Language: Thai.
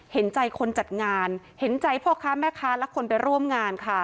เห็นใจคนจัดงานเห็นใจพ่อค้าแม่ค้าและคนไปร่วมงานค่ะ